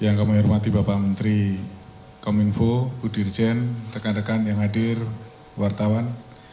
yang kami hormati bapak menteri kominfo bu dirjen rekan rekan yang hadir wartawan